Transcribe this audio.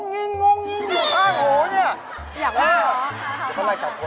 อยากรู้แล้วนะคะไอ้พ๊อตลาดกลับโปรลาช